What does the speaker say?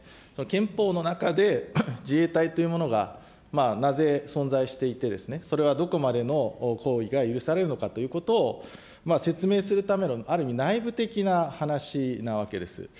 憲法の中で、自衛隊というものがなぜ、存在していて、それはどこまでの行為が許されるのかということを説明するための、ある意味、内部的な話な訳です。